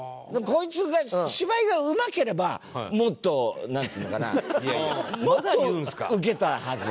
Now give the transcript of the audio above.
こいつが芝居がうまければもっとなんつうのかなもっとウケたはず。